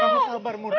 kamu sabar murti